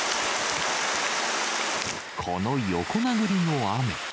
この横殴りの雨。